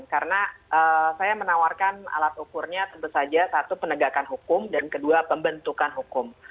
karena saya menawarkan alat ukurnya tentu saja satu penegakan hukum dan kedua pembentukan hukum